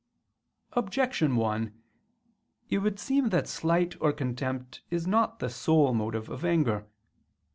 Objection 1: It would seem that slight or contempt is not the sole motive of anger.